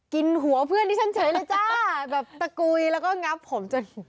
หัวเพื่อนที่ฉันเฉยเลยจ้าแบบตะกุยแล้วก็งับผมจน